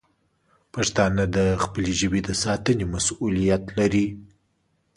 پښتانه د خپلې ژبې د ساتنې مسوولیت لري.